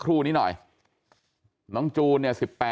กลับไปลองกลับ